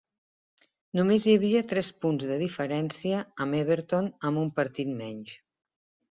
Només hi havia tres punts de diferència amb Everton amb un partit menys.